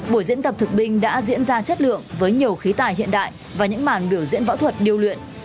buổi diễn tập thực binh đã diễn ra chất lượng với nhiều khí tài hiện đại và những màn biểu diễn võ thuật điêu luyện